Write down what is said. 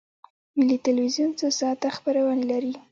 ملي تلویزیون څو ساعته خپرونې لري؟